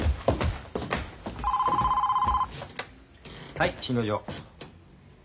・☎はい診療所。